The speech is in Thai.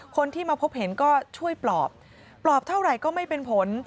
คนที่มาพบเห็นก็ช่วยปลอบปลอบเท่าไหร่ก็ไม่เป็นผล